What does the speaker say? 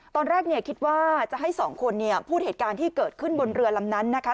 ตอนแรกเนี่ยคิดว่าจะให้สองคนเนี่ยพูดเหตุการณ์ที่เกิดขึ้นบนเรือลำนั้นนะคะ